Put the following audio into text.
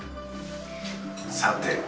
さて。